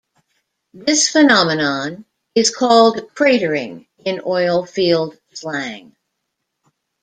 This phenomenon is called "cratering" in oil field slang.